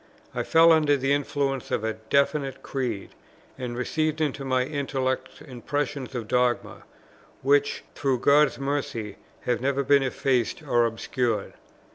I fell under the influences of a definite Creed, and received into my intellect impressions of dogma, which, through God's mercy, have never been effaced or obscured.